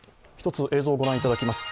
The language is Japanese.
１つ映像を御覧いただきます。